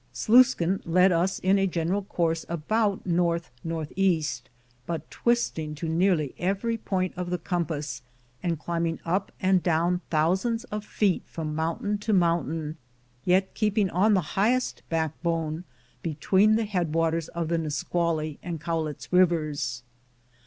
Sluis kin led us in a general course about north northeast, but twisting to nearly every point of the compass, and climbing up and down thousands of feet from moun tain to mountain, yet keeping on the highest backbone between the headwaters of the NisqualTy and Cowlitz rivers.